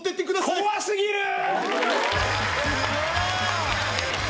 怖すぎる！